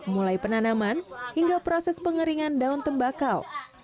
mulai penanaman hingga proses pengeringan daun tembakau